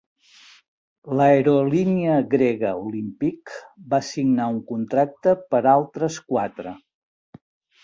L'aerolínia grega Olympic va signar un contracte per altres quatre.